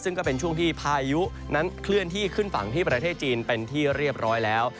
ซึ่งก็เป็นช่วงที่พายุนั้นเคลื่อนที่ขึ้นฝั่งที่ประเทศจีนเป็นที่เรียบร้อยแล้ว